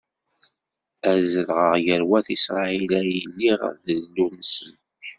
Ad zedɣeɣ gar wat Isṛayil, ad iliɣ d Illunsen.